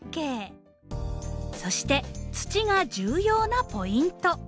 そして土が重要なポイント。